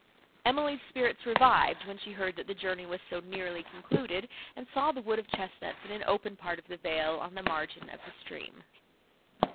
Emily's spirits revived, when she heard, that the journey was so nearly concluded, and saw the wood of chesnuts in an open part of the vale, on the margin of the stream.